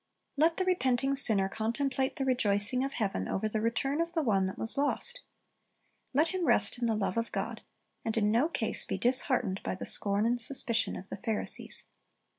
Let the repenting sinner contemplate the rejoicing of heaven over the return of the one that was lost. Let him rest in the love of God, and in no case be disheartened by the scorn and suspicion of the Pharisees.